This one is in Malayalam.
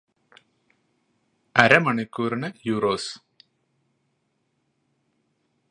അരമണിക്കൂറിന് യൂറോസ്